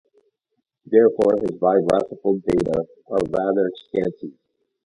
Therefore, his biographical data are rather scanty.